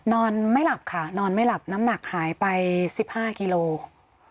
นอนไม่หลับค่ะนอนไม่หลับน้ำหนักหายไป๑๕กิโลกรัม